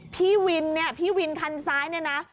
พี่วินเนี่ยพี่วินคันซ้ายเนี่ยนะ